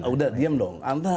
udah diam dong